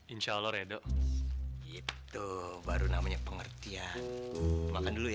insyaallah redo itu baru namanya pengertian makan dulu ya